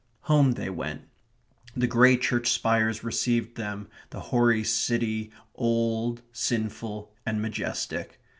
Home they went. The grey church spires received them; the hoary city, old, sinful, and majestic.